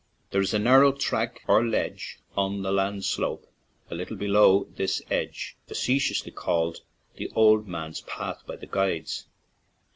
There is a narrow track or ledge on the land slope a little below this edge, face tiously called "The Old Man's Path" by the guides.